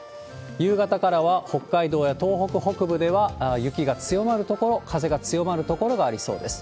夕方からは北海道や東北北部では雪が強まる所、風が強まる所がありそうです。